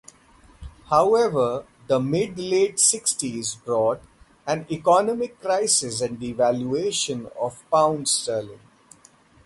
However, the mid-late sixties brought an economic crisis and the devaluation of pound sterling.